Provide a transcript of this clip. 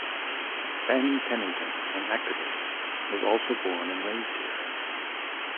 Fannie Pennington, an activist, was also born and raised here.